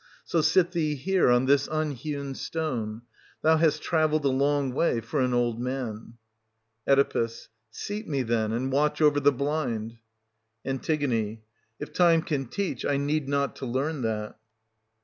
So sit thee here on this unhewn stone; thou hast travelled a long way for an old man. 20 Oe. Seat me, then, and watch over the blind. An. If time can teach, I need not to learn that.